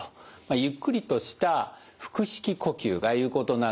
ゆっくりとした腹式呼吸が有効となるんです。